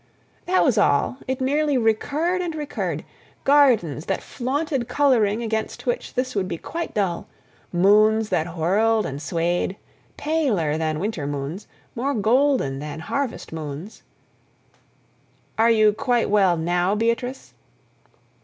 "That was all—it merely recurred and recurred—gardens that flaunted coloring against which this would be quite dull, moons that whirled and swayed, paler than winter moons, more golden than harvest moons—" "Are you quite well now, Beatrice?"